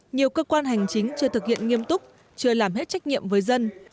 nhiều cơ quan hành chính chưa thực hiện nghiêm túc chưa làm hết trách nhiệm với dân